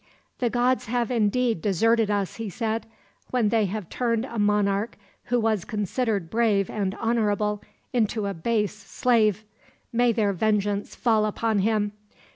"The gods have, indeed, deserted us," he said; "when they have turned a monarch who was considered brave and honorable into a base slave. May their vengeance fall upon him!